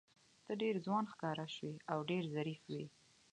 ته ډېر ځوان ښکاره شوې او ډېر ظریف وې.